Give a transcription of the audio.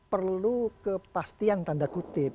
perlu kepastian tanda kutip